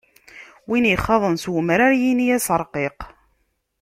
Win ixaḍen s umrar, yini-as ṛqiq.